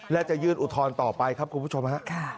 และจะยื่นอุทธรณ์ต่อไปครับคุณผู้ชมฮะ